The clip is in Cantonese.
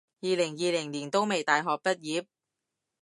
二零二零年都未大學畢業？